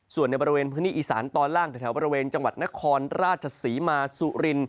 ส่วนในบริเวณพื้นที่อีสานตอนล่างแถวบริเวณจังหวัดนครราชศรีมาสุริน